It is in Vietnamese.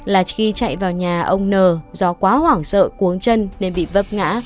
là khi chạy vào nhà ông n do quá hoảng sợ cuốn chân nên bị vấp ngã